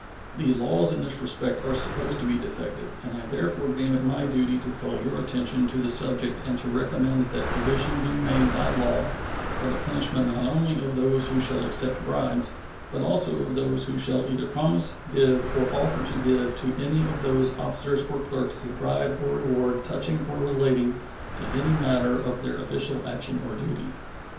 The laws in this respect are supposed to be defective, and I therefore deem it my duty to call your attention to the subject and to recommend that provision be made by law for the punishment not only of those who shall accept bribes, but also of those who shall either promise, give, or offer to give to any of those officers or clerks a bribe or reward touching or relating to any matter of their official action or duty.